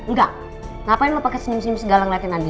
nggak ngapain lo pake senyum senyum segala ngeliatin andi